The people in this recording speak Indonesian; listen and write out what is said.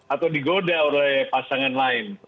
atau digoda oleh pasangan lain